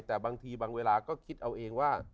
แต่บางทีบางเวลาก็คิดเอาเองว่า